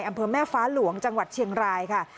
อำเภอแม่ฟ้าหลวงจังหวัดเชียงรายค่ะ